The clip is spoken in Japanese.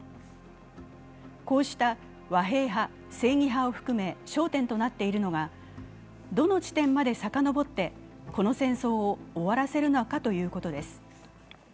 こうした和平派、正義派を含め焦点となっているのがどの地点までさかのぼってこの戦争を終わらせるのかということです。